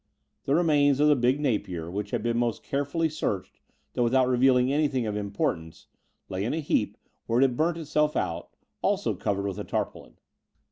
The remains of the big Napier, which had been most carefully searched through without revealing anjrthing of importance, lay in a heap where it had burnt itself out, also covered with a tarpaulin.